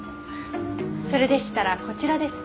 それでしたらこちらです。